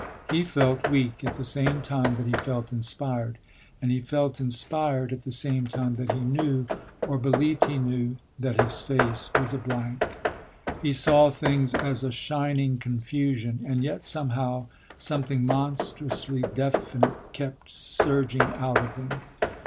He felt weak at the same time that he felt inspired, and he felt inspired at the same time that he knew, or believed he knew, that his face was a blank. He saw things as a shining confusion, and yet somehow something monstrously definite kept surging out of them.